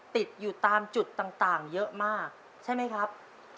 ติดอยู่ตามจุดต่างเยอะมากใช่ไหมครับ